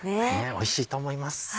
おいしいと思います。